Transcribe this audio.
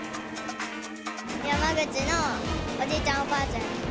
山口のおじいちゃん、おばあちゃんち。